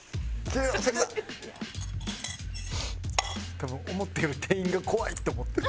多分思ったより店員が怖いって思ってる。